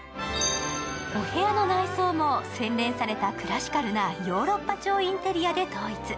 お部屋の内装も洗練されたクラシカルなヨーロッパ調のインテリアで統一。